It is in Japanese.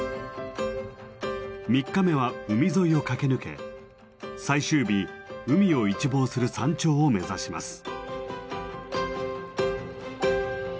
３日目は海沿いを駆け抜け最終日海を一望する山頂を目指します。